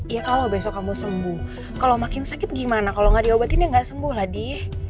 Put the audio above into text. ya kalau besok kamu sembuh kalau makin sakit gimana kalau nggak diobatin ya nggak sembuh lah die